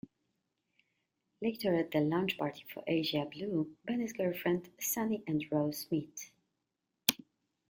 Later at a launch party for Asia Blue, Benny's girlfriend, Sunny and Rose meet.